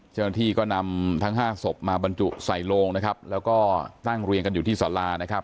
เจ้าหน้าที่ก็นำทั้งห้าศพมาบรรจุใส่โลงนะครับแล้วก็ตั้งเรียงกันอยู่ที่สารานะครับ